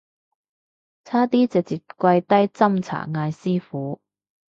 差啲直接跪低斟茶嗌師父